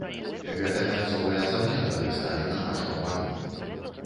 Гэта мясцовыя заўзятары сталі на нашу абарону.